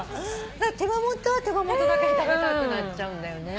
手羽元は手羽元だけで食べたくなっちゃうんだよね。